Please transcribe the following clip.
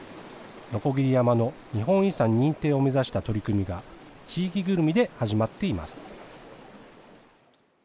鋸山の日本遺産認定を目指した取り組みが、地域ぐるみで始まっています。